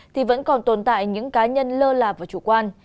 thì vẫn còn tồn tại những cá nhân lơ lạc và chủ quan